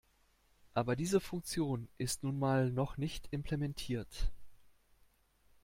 Aber diese Funktion ist nun mal noch nicht implementiert.